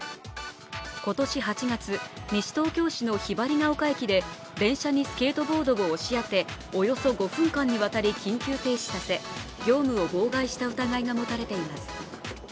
今年８月、西東京市のひばりヶ丘駅で電車にスケートボードを押し当ておよそ５分間にわたり緊急停止させ業務を妨害した疑いが持たれています。